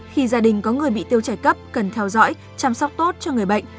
khi gia đình có người bị tiêu chảy cấp cần theo dõi chăm sóc tốt cho người bệnh